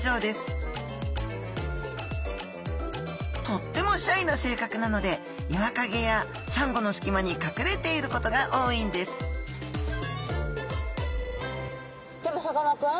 とってもシャイな性格なので岩陰やサンゴの隙間にかくれていることが多いんですでもさかなクン。